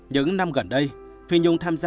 những năm gần đây phi nhung tham gia